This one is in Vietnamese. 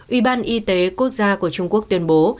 ủy ban y tế quốc gia của trung quốc tuyên bố